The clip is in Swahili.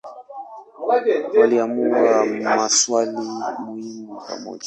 Waliamua maswali muhimu pamoja.